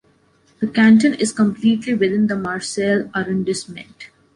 The canton is completely within the Marseille arrondissment.